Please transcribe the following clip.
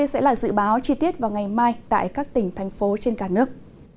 sẽ là dự báo chi tiết vào ngày mai tại các tỉnh thành phố trên cả nước